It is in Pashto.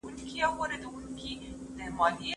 لیک ورو بدلېږي.